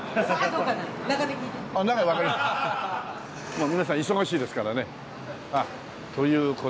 まあ皆さん忙しいですからね。あっという事で。